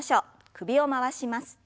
首を回します。